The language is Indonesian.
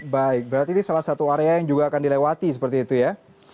baik berarti ini salah satu area yang juga akan dilewati seperti itu ya